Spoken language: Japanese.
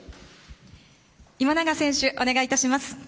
今永選手、お願いします。